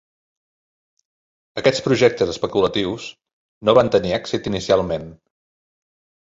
Aquests projectes especulatius no van tenir èxit inicialment.